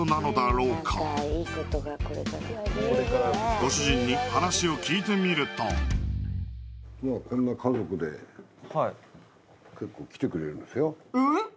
ご主人に話を聞いてみるともうこんな家族で結構来てくれるんですよええ！？